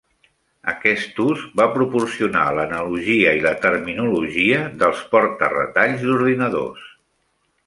Aquest ús va proporcionar l'analogia i la terminologia dels porta-retalls d'ordinadors.